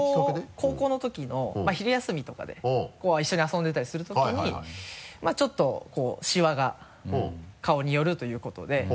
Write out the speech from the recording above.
高校のときの昼休みとかで一緒に遊んでたりするときにまぁちょっとこうシワが顔に寄るということで。